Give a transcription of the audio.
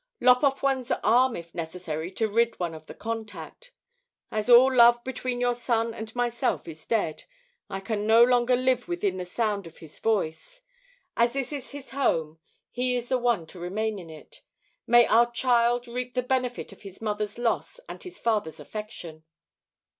Lop off one's arm if necessary to rid one of the contact. As all love between your son and myself is dead, I can no longer live within the sound of his voice. As this is his home, he is the one to remain in it. May our child reap the benefit of his mother's loss and his father's affection.